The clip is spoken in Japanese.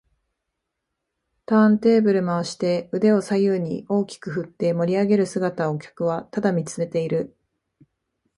ターンテーブル回して腕を左右に大きく振って盛りあげる姿を客はただ見つめている